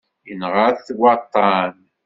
Yenɣa-t waṭṭan.